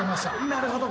なるほど。